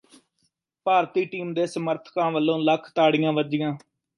ਭਾਰਤੀ team ਦੇ ਸਮੱਰਥਕਾਂ ਵੱਲੋਂ ਲੱਖਾਂ ਤਾੜੀਆਂ ਵੱਜੀਆਂ